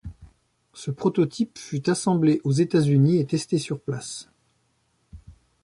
Ce prototype fut assemblé aux États-Unis et testé sur place.